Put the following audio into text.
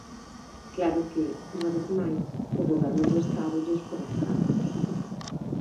Claro que, unha vez máis, o Goberno do Estado lles pon atrancos.